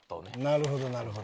なるほどなるほど。